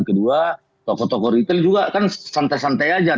kedua toko toko retail juga kan santai santai aja